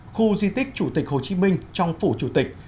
khu di tích chủ tịch hồ chí minh trong phủ chủ tịch